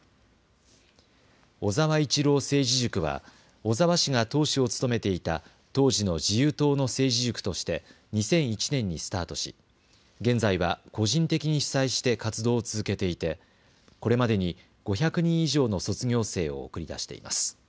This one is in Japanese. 小沢一郎政治塾は小沢氏が党首を務めていた当時の自由党の政治塾として２００１年にスタートし現在は個人的に主宰して活動を続けていてこれまでに５００人以上の卒業生を送り出しています。